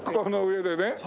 この上でね。